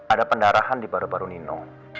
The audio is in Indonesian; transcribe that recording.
ada pendarahan di baru baru nino